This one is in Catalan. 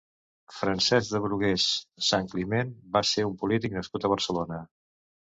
Francesc de Burguès-Santcliment va ser un polític nascut a Barcelona.